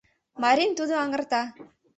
Марим тудо аҥырта